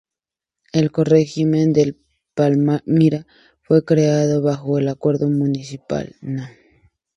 El corregimiento de Palmira fue creado bajo el acuerdo municipal No.